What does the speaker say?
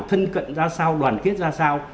thân cận ra sao đoàn kết ra sao